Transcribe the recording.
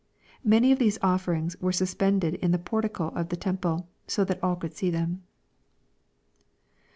Many of these offerings were sus pended in the portico of the temple, so that all could see them.